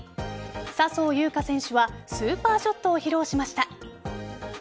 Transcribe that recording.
笹生優花選手はスーパーショットを披露しました。